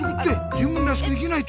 自分らしく生きないと！